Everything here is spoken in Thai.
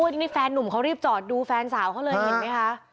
นี่แฟนนุ่มเขารีบจอดดูแฟนสาวเขาเลยเห็นไหมคะ